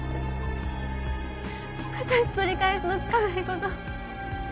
私取り返しのつかないこ